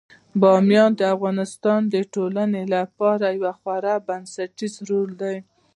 بامیان د افغانستان د ټولنې لپاره یو خورا بنسټيز رول لري.